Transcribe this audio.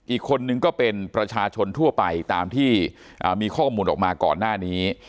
อีกคนนึงก็เป็นประชาชนทั่วไปตามที่มีข้อมูลออกมาก่อนหน้านี้